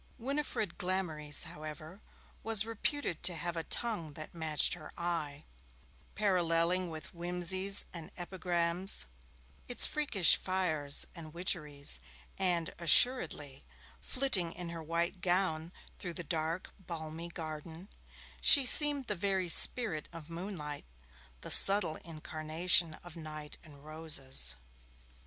Winifred Glamorys, however, was reputed to have a tongue that matched her eye; paralleling with whimsies and epigrams its freakish fires and witcheries, and, assuredly, flitting in her white gown through the dark balmy garden, she seemed the very spirit of moonlight, the subtle incarnation of night and roses.